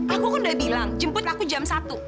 aku kan udah bilang jemput aku jam satu